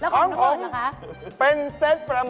ของผมเป็นเซตประมงต้มยำกุ้ง